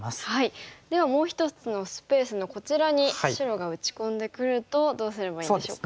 ではもう一つのスペースのこちらに白が打ち込んでくるとどうすればいいでしょうか。